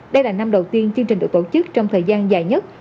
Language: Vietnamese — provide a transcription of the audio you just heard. đây là năm đầu tiên chương trình được tổ chức trong thời gian dài nhất